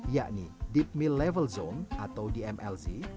yakni deep mill level zone atau dmlz